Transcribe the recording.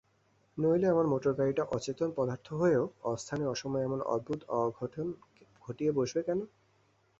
নইলে আমার মোটরগাড়িটা অচেতন পদার্থ হয়েও অস্থানে অসময়ে এমন অদ্ভুত অঘটন ঘটিয়ে বসবে কেন।